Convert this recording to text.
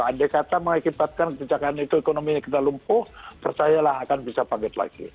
andai kata mengakibatkan kejahatan itu ekonomi kita lumpuh percayalah akan bisa panggil lagi